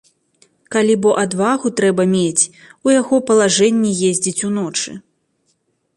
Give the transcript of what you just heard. Калі бо адвагу трэба мець, у яго палажэнні ездзіць уночы!